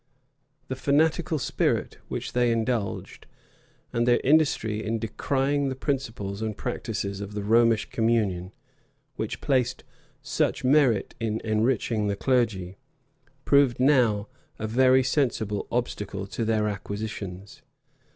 The fanatical spirit which they indulged, and their industry in decrying the principles and practices of the Romish communion, which placed such merit in enriching the clergy, proved now a very sensible obstacle to their acquisitions.